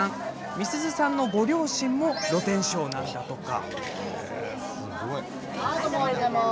美鈴さんのご両親も露店商なんだとか。